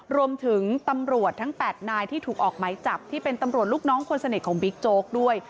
รวมถึงตำรวจทั้ง๘นายที่ถูกออกไหมจับที่เป็นตำรวจลูกน้องคนสนิทของบิ๊กโจ๊กด้วย